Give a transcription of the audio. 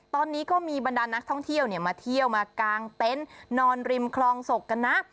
ตอนนี้ก็มีบรรดานักท่องเที่ยวมาเที่ยวมากางเต็นต์นอนริมคลองศกกันนะ